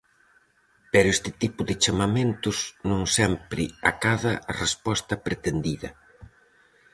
Pero este tipo de chamamentos non sempre acada a resposta pretendida.